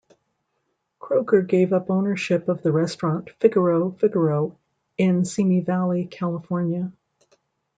Kroeger gave up ownership of the restaurant Figaro Figaro in Simi Valley, California.